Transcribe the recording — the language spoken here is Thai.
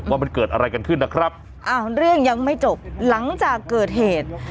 ว่ามันเกิดอะไรกันขึ้นนะครับอ้าวเรื่องยังไม่จบหลังจากเกิดเหตุ